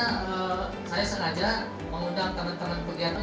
saya sengaja mengundang teman teman pegiat ini